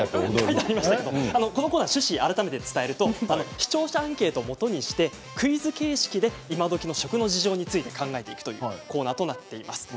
このコーナーの趣旨を改めてお伝えすると視聴者アンケートをもとにしてクイズ形式で今どきの食の事情について考えていくというコーナーとなっています。